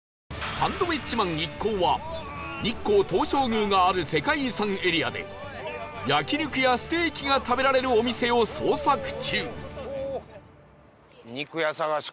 サンドウィッチマン一行は日光東照宮がある世界遺産エリアで焼き肉やステーキが食べられるお店を捜索中